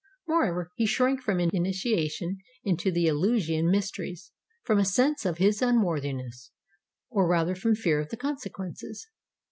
Moreover, he shrank from initiation into the Eleusinian mysteries, from a sense of his unworthiness, or rather from fear of the consequences.